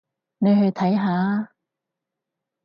你去睇下吖